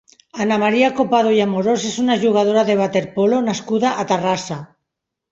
Ana María Copado i Amorós és una jugadora de waterpolo nascuda a Terrassa.